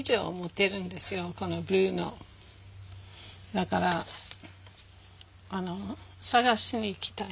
だから探しに行きたい。